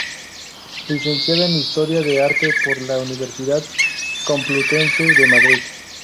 Licenciada en Historia del Arte por la Universidad Complutense de Madrid.